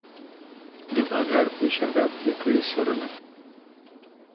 د بادار په اشاره پرې کړي سرونه